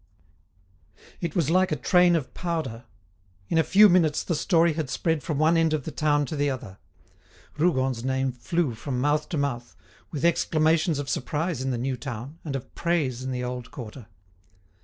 It was like a train of powder. In a few minutes the story had spread from one end of the town to the other. Rougon's name flew from mouth to mouth, with exclamations of surprise in the new town, and of praise in the old quarter.